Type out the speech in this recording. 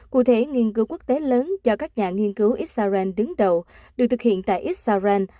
cụ thể nghiên cứu quốc tế lớn do các nhà nghiên cứu israel đứng đầu được thực hiện tại israel